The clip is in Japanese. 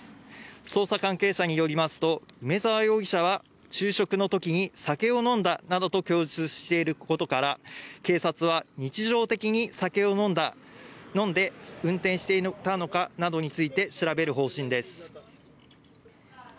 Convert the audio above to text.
捜査関係者によりますと梅沢容疑者は、昼食の時に酒を飲んだなどと供述していることから、警察は日常的に酒を飲んで運転していたのかなどについて調べる方針です。